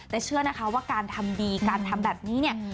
แต่เชื่อนะคะว่าการทำดีการทำแบบนี้เนี่ย